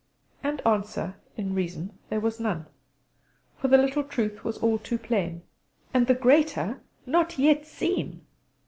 And answer, in reason, there was none; for the little truth was all too plain, and the greater not yet seen.